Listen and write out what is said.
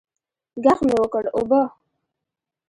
ږغ مې وکړ اوبه.